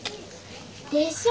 でしょ！